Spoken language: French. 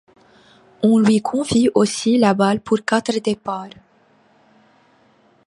On lui confie aussi la balle pour quatre départs.